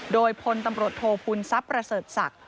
โดยพลตำรวจโทพูนทรัพย์ประเสริฐศักดิ์